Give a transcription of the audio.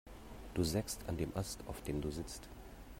Du sägst an dem Ast, auf dem du sitzt.